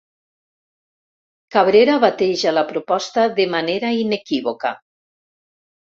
Cabrera bateja la proposta de manera inequívoca.